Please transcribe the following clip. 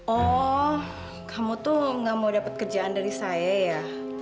oh kamu tuh gak mau dapat kerjaan dari saya ya